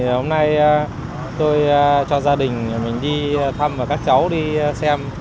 hôm nay tôi cho gia đình mình đi thăm và các cháu đi xem